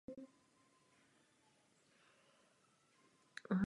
Zvláštní pravidla tak upravují přidělování bodů i počet hráčů.